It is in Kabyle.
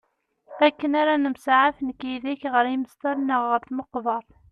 Akken ara nemsaɛaf nekk yid-k ɣer isemṭal neɣ ɣer tmeqbert.